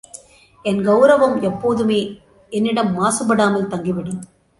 என் கவுரவம் எப்போதுமே என்னிடம் மாசுபடாமல் தங்கிவிடும்.